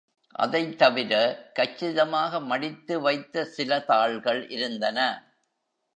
அதைத் தவிர, கச்சிதமாக மடித்துவைத்த சில தாள்கள் இருந்தன.